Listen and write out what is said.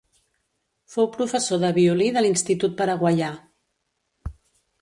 Fou professor de violí de l'Institut Paraguaià.